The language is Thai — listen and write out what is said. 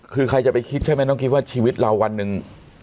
คือใครจะไปคิดใช่ไหมน้องคิดว่าชีวิตเราวันหนึ่ง